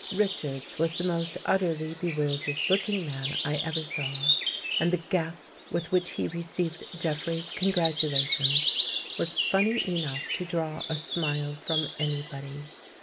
Richards was the most ut terly bewildered looking man I ever saw and the gasp with which he received Jeffrey's congratula tions was funny enough to draw a smile from any body.